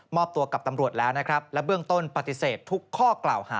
ตัวกับตำรวจแล้วนะครับและเบื้องต้นปฏิเสธทุกข้อกล่าวหา